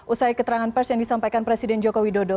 usai keterangan pers yang disampaikan presiden jokowi dodo